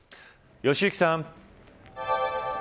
良幸さん。